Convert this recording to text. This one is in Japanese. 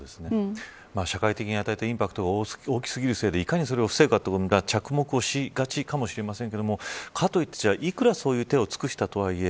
社会的に与えたインパクトが大きすぎるせいでいかにそれを防ぐかという部分に着目しがちかもしれませんがかといっていくらそういう手を尽くしたとはいえ